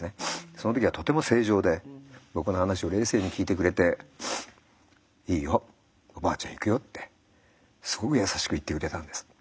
その時はとても正常で僕の話を冷静に聞いてくれて「いいよおばあちゃん行くよ」ってすごく優しく言ってくれたんです。